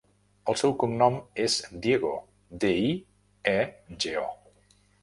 El seu cognom és Diego: de, i, e, ge, o.